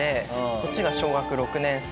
こっちが小学６年生。